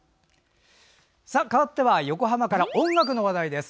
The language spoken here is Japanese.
かわっては横浜から音楽の話題です。